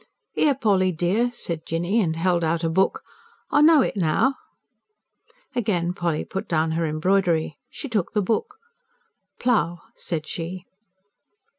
"Here, Polly dear," said Jinny, and held out a book. "I know it now." Again Polly put down her embroidery. She took the book. "Plough!" said she.